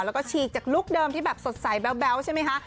แล้วก็ฉีกจากลุคเดิมที่แบบสดใสแบ๊วใช่ไหมคะ